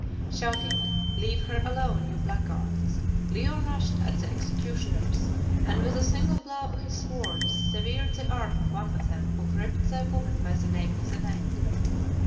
Shouting, "Leave her alone, you blackguards," Leo rushed at the executioners, and with a single blow of his sword severed the arm of one of them who gripped the woman by the nape of the neck.